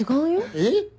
えっ？